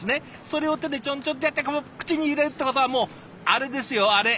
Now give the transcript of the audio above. それを手でちょんちょんってやってこう口に入れるってことはもうあれですよあれ。